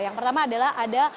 yang pertama adalah ada